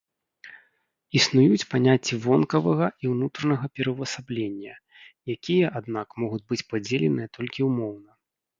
Існуюць паняцці вонкавага і ўнутранага пераўвасаблення, якія, аднак, могуць быць падзеленыя толькі ўмоўна.